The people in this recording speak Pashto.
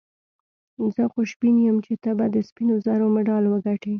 زه خوشبین یم چي ته به د سپینو زرو مډال وګټې.